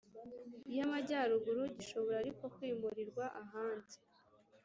y Amajyaruguru Gishobora ariko kwimurirwa ahandi